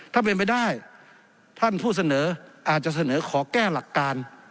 ถ้าเป็นไปได้ท่านผู้เสนออาจจะเสนอขอแก้หลักการ